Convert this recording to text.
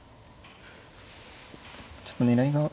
ちょっと狙いが。